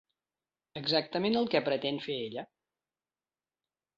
Exactament el que pretén fer ella.